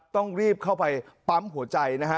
ต้องรีบเข้าไปปั๊มหัวใจนะฮะ